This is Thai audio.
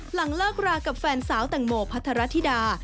หลังเลิกรากับแฟนสาวแตงโมพัทรธิดา